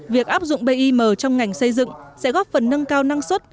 việc áp dụng bim trong ngành xây dựng sẽ góp phần nâng cao năng suất